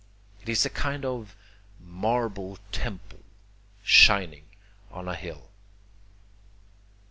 It is a kind of marble temple shining on a hill.